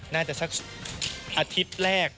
น่าจะสักอาทิตย์แรก